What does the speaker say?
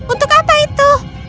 untuk apa itu